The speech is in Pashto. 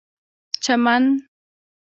چمن